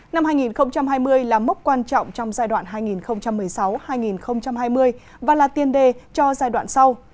năm hai nghìn hai mươi là mốc quan trọng trong giai đoạn hai nghìn một mươi sáu hai nghìn hai mươi và là tiên đề cho giai đoạn sau